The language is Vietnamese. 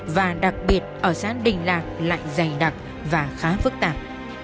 và đặc biệt ở xã đình lạc lại dày đặc và khá phức tạp